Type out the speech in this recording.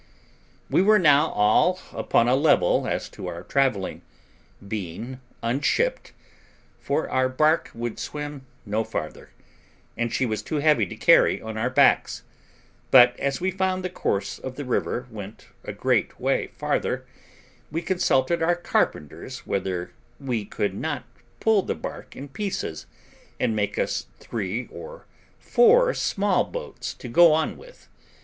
We were now all upon a level as to our travelling, being unshipped, for our bark would swim no farther, and she was too heavy to carry on our backs; but as we found the course of the river went a great way farther, we consulted our carpenters whether we could not pull the bark in pieces, and make us three or four small boats to go on with.